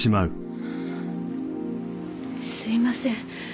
すいません。